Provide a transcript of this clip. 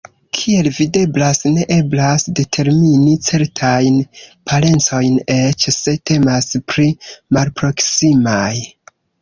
Kiel videblas, ne eblas determini certajn parencojn eĉ se temas pri malproksimaj.